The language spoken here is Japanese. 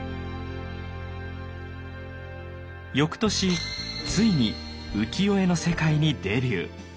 翌年ついに浮世絵の世界にデビュー。